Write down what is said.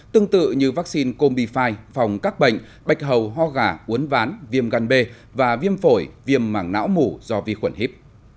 tương tự như vaccine combi năm phòng các bệnh bạch hầu ho gà uốn ván viêm găn bê và viêm phổi viêm mảng não mủ do vi khuẩn hiếp